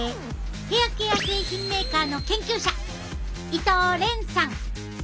ヘアケア製品メーカーの研究者伊藤廉さん！